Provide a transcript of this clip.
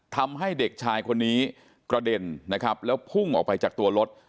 ทำให้เด็กชายคนนี้กระเด็นนะครับแล้วพุ่งออกไปจากตัวรถ